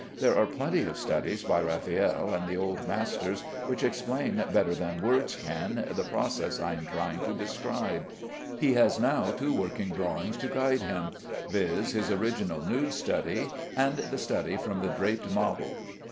There are plenty of studies by Raffaelle and the old masters which explain better than words can, the process I am trying to describe. He has now two working drawings to guide him, viz., his original nude study, and the study from the draped model.